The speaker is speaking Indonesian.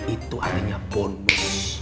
itu artinya bonus